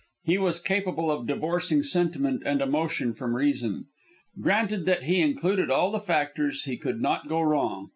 He was capable of divorcing sentiment and emotion from reason. Granted that he included all the factors, he could not go wrong.